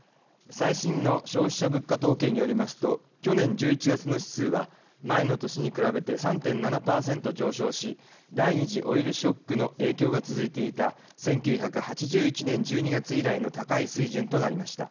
最新の消費者物価統計によりますと、去年１１月の指数は前の年に比べて３．７％上昇し第２次オイルショックの影響が続いていた１９８１年１２月以来の高い水準となりました。